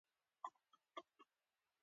دا دی زه بیا یوازې یم.